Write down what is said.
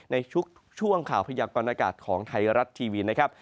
ในช่วงข่าวพยากรณากาศของไทยรัฐทีวีนะครับ